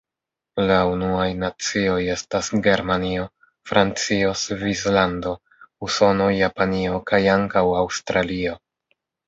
La unuaj nacioj estas Germanio, Francio, Svislando, Usono, Japanio kaj ankaŭ Aŭstralio.